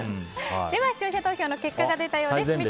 では視聴者投票の結果が出たようです。